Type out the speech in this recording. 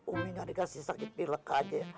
umi gak dikasih sakit pilek aja